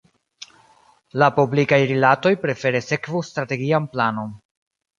La publikaj rilatoj prefere sekvu strategian planon.